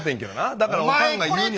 だからおかんが言うには。